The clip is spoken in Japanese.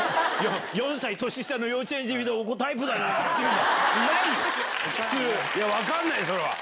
４歳年下の幼稚園児見て「タイプだな」って。いや分かんないよ！